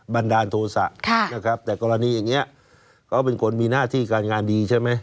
ันดาลโทษะนะครับแต่กรณีอย่างนี้เขาเป็นคนมีหน้าที่การงานดีใช่ไหม